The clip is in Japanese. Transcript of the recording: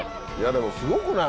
でもすごくない？